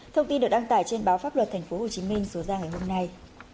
thông tin được đăng tải trên báo pháp luật tp hcm số ra ngày hôm nay